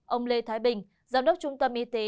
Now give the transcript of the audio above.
ông lê thái bình giám đốc trung tâm y tế